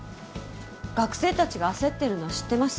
学生たちが焦ってるのは知ってます。